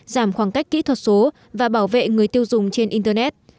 giảm khoảng cách kỹ thuật số và bảo vệ người tiêu dùng trên internet